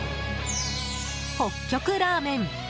北極ラーメン。